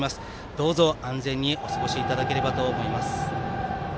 どうぞ安全にお過ごしいただければと思います。